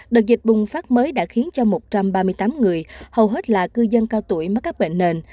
đợt dịch bùng phát mới đã khiến cho một trăm ba mươi tám người hầu hết là cư dân cao tuổi mắc các bệnh nền